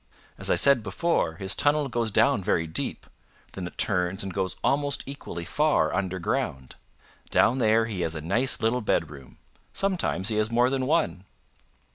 As I said before, his tunnel goes down very deep; then it turns and goes almost equally far underground. Down there he has a nice little bedroom. Sometimes he has more than one."